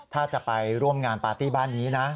ถ้าจะไปร่วมงานปาร์ตี้บ้านนี้นะ